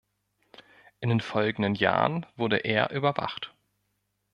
In den folgenden Jahren wurde er überwacht.